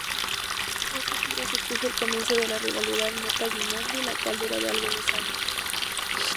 Este Giro supuso el comienzo de la rivalidad Motta-Gimondi, la cual duraría algunos años.